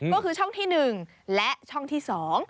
ก็คือช่องที่๑และช่องที่๒